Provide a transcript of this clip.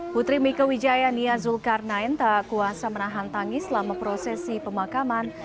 putri mika wijaya nia zulkarnain tak kuasa menahan tangis selama prosesi pemakaman